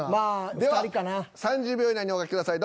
では３０秒以内にお書きください。